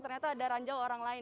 ternyata ada ranjau orang lain